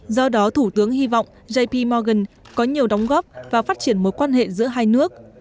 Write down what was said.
do đó thủ tướng hy vọng jp morgan có nhiều đóng góp và phát triển mối quan hệ giữa hai nước